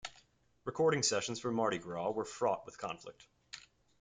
Recording sessions for "Mardi Gras" were fraught with conflict.